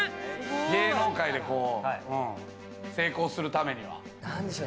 芸能界で成功するためには？